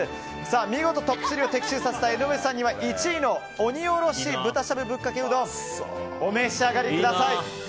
見事トップ３を的中させた江上さんには１位の鬼おろし豚しゃぶぶっかけうどんいいな！